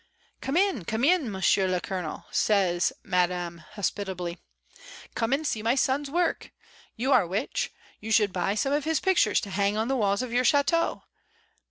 "Come in, come in, Monsieur le Colonel," says Madame hospitably. "Come and see my son's work. You are rich; you should buy some of his pictures to hang on the walls of your chiteaux.